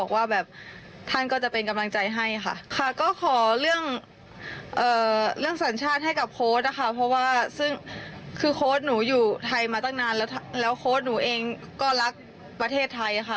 คือโค้ชหนูอยู่ไทยมาตั้งนานและโค้ชหนูเองก็รักประเทศไทยนะคะ